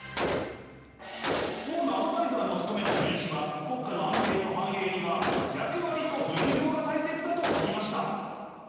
王のアドバイザーも務めた荀子は国家の安定と繁栄には役割と分業が大切だと説きました。